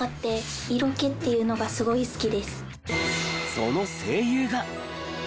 その声優が。